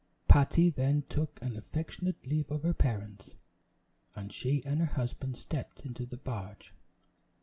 Patty then took an affectionate leave of her parents, and she and her husband stepped into the barge.